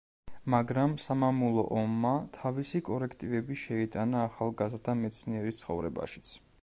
მაგრამ სამამულო ომმა თავისი კორექტივები შეიტანა ახალგაზრდა მეცნიერის ცხოვრებაშიც.